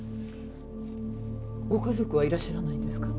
ご家族はいらっしゃらないんですか？